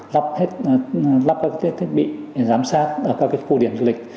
lắp hết lắp các thiết bị giám sát ở các khu điểm du lịch